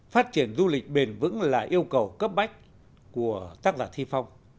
phát triển du lịch bền vững là yêu cầu cấp bách của tác giả thi phong